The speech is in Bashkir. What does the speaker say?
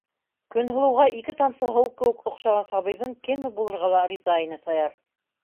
Көнһылыуға ике тамсы һыу кеүек оҡшаған сабыйҙың кеме булырға ла риза ине Саяр.